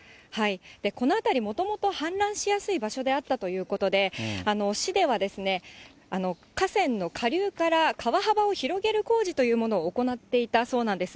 この辺り、もともと氾濫しやすい場所であったということで、市では、河川の下流から川幅を広げる工事というものを行っていたそうなんです。